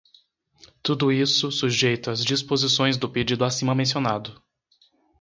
Tudo isso sujeito às disposições do pedido acima mencionado.